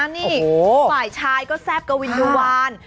นี่ฝ่ายชายก็แซ่บกวินยูวาน